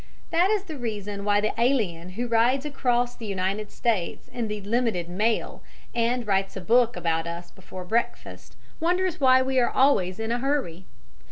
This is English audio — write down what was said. That is the reason why the alien who rides across the United States in the "Limited Mail" and writes a book about us before breakfast wonders why we are always in a hurry.